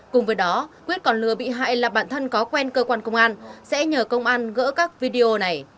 cùng với đó quyết còn lừa bị hại là bạn thân có quen cơ quan công an sẽ nhờ công an gỡ các video này